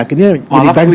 akhirnya ini banjir